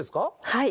はい。